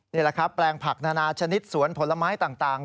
นี่แหละครับแปลงผักนานาชนิดสวนผลไม้ต่าง